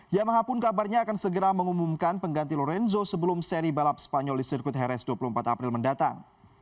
yamaha pun kabarnya akan segera mengumumkan pengganti lorenzo sebelum seri balap spanyol di sirkuit harris dua puluh empat april mendatang